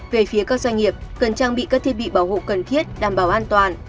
về phía các doanh nghiệp cần trang bị các thiết bị bảo hộ cần thiết đảm bảo an toàn